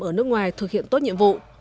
ở nước ngoài thực hiện tốt nhiệm vụ